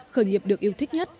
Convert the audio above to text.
khởi nghiệp được yêu thích nhất